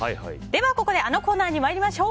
ここであのコーナーに参りましょう。